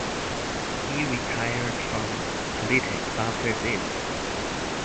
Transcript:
He retired from politics after this.